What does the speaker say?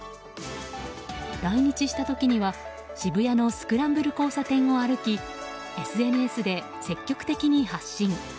来日した時には渋谷のスクランブル交差点を歩きＳＮＳで積極的に発信。